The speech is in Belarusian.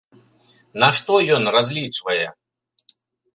На што ён разлічвае?